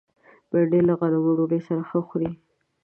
بېنډۍ له غنمو ډوډۍ سره ښه خوري